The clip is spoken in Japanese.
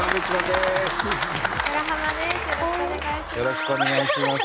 よろしくお願いします。